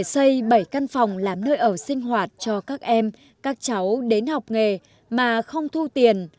xây bảy căn phòng làm nơi ở sinh hoạt cho các em các cháu đến học nghề mà không thu tiền